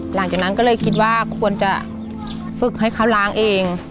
หลังจากนั้นก็เลยคิดว่าควรจะฝึกให้เขาล้างเอง